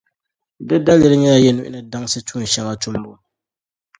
Di daliri nyɛla yi nuhi ni daŋsi tuun’ shɛŋa tumbu.